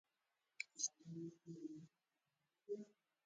د ملګرو ملتونو پیروي وکړي